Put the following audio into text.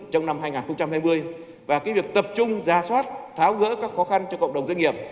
trong năm hai nghìn hai mươi và việc tập trung ra soát tháo gỡ các khó khăn cho cộng đồng doanh nghiệp